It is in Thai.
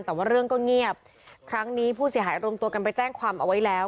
แต่ว่าเรื่องก็เงียบครั้งนี้ผู้เสียหายรวมตัวกันไปแจ้งความเอาไว้แล้ว